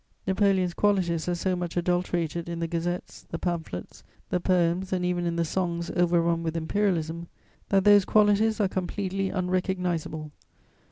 Napoleon's qualities are so much adulterated in the gazettes, the pamphlets, the poems and even in the songs overrun with imperialism, that those qualities are completely unrecognisable.